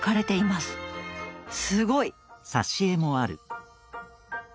すごい！